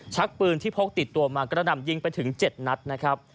ชักปืนที่พกติดตัวมากระหน่ำยิงไปถึง๗นัดนะครับ